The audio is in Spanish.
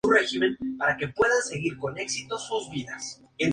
Se conoce de Mana, que comenzó a hacer música en la adolescencia.